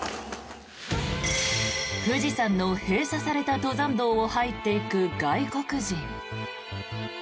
富士山の閉鎖された登山道を入っていく外国人。